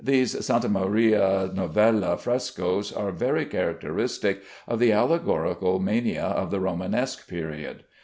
These Sta. Maria Novella frescoes are very characteristic of the allegorical mania of the Romanesque period.